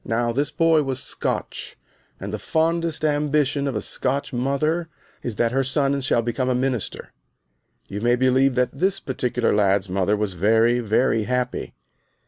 Now this boy was Scotch, and the fondest ambition of a Scotch mother is that her son shall become a minister. You may believe that this particular lad's mother was very, very happy.